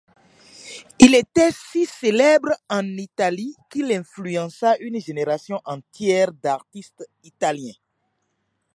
Il était si célèbre en Italie qu'il influença une génération entière d’artistes italiens.